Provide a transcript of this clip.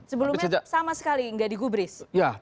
sebelumnya sama sekali nggak di gubris